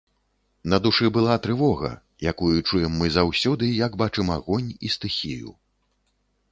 На душы была трывога, якую чуем мы заўсёды, як бачым агонь і стыхію.